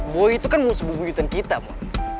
boy itu kan musuh bubu yutan kita mon